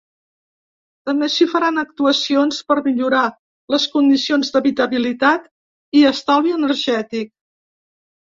També s’hi faran actuacions per millorar les condicions d’habitabilitat i estalvi energètic.